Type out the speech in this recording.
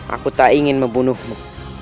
aku tak ingin membunuhmu